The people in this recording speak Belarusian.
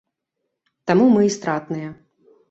Таму мы і стратныя.